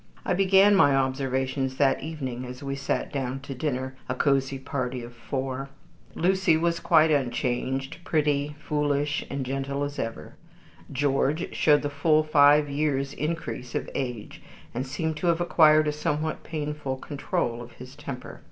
I began my observations that evening as we sat down to dinner, a cozy party of four. Lucy was quite unchanged pretty, foolish, and gentle as ever. George showed the full five years' increase of age, and seemed to have acquired a somewhat painful control of his temper.